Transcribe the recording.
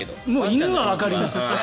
犬はわかります。